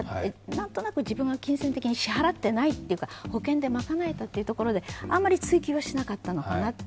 なんとなく自分が金銭的に支払ってないっていうか保険で賄えたというところであんまり追及はしなかったのかなと。